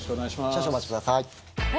・少々お待ちください